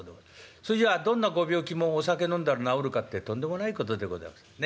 そいじゃどんなご病気もお酒飲んだら治るかってとんでもないことでございますね。